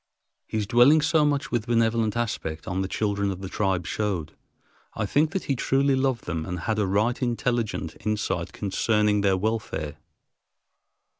His dwelling so much with benevolent aspect on the children of the tribe showed, I think, that he truly loved them and had a right intelligent insight concerning their welfare.